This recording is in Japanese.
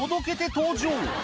登場